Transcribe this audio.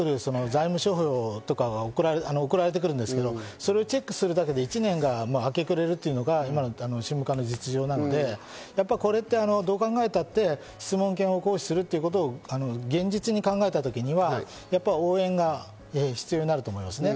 財務諸表とかが送られてくるんですけど、それをチェックするだけで１年が明け暮れるというのが今の宗務課の実情なので、やっぱりこれ、どう考えたって質問権を行使するということを現実に考えた時には、やっぱり応援が必要になると思いますね。